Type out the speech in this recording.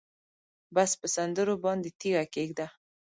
بس په سندرو باندې تیږه کېږده